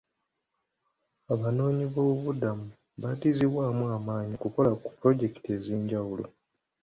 Abanoonyiboobubuddamu badiziddwamu amaanyi okukola ku pulojekiti ez'enjawulo.